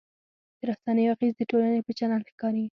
د رسنیو اغېز د ټولنې په چلند ښکاري.